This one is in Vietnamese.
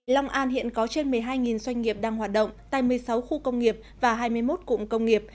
long an hiện có trên một mươi hai doanh nghiệp đang hoạt động tại một mươi sáu khu công nghiệp và hai mươi một cụm công nghiệp